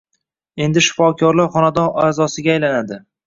«Endi shifokorlar xonadon a’zosiga aylanadi»